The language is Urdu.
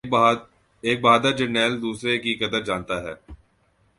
ایک بہادر جرنیل دوسرے کی قدر جانتا ہے